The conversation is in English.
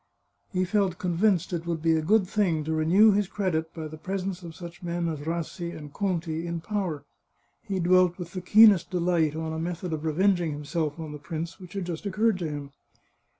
He felt convinced it would be a good thing to renew his credit by the presence of such men as Rassi and Conti in power. He dwelt with the keenest delight on a method of revenging himself on the prince which had just occurred to him.